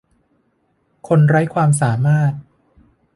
คนไร้ความสามารถ